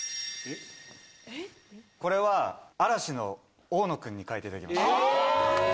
これは嵐の大野君に描いていただきました。